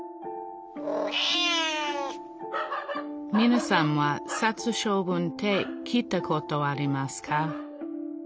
みなさんは殺処分って聞いたことありますか？